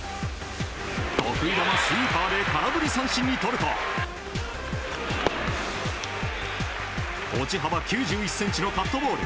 得意球スイーパーで空振り三振にとると落ち幅９１ｃｍのカットボール。